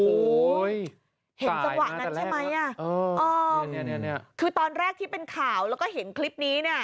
เห็นสวะนั้นใช่ไหมน่ะอ๋อคือตอนแรกที่เป็นข่าวแล้วก็เห็นคลิปนี้น่ะ